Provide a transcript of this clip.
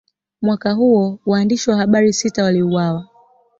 Mwaka huo, waandishi wa habari sita waliuawa.